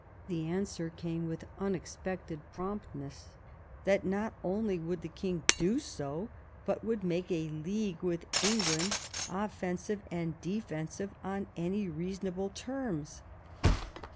The answer came with unexpected promptness that not only would the King do so, but would make a league with England, offensive and defensive, on any reasonable terms.